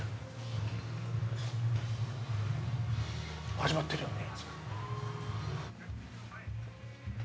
始まってるよね？